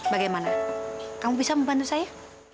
bagaimana kamu bisa membantu saya